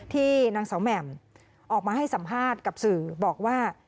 ที่นางสาวแหม่มออกมาให้สัมภาษณ์กับสื่อบอกว่า